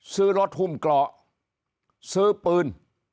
ซื้อรถหุ้มเกราะซื้อปืน